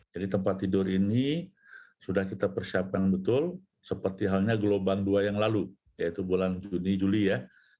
jadi tempat tidur ini sudah kita persiapkan betul seperti halnya geloban dua yang lalu yaitu bulan juni juli ya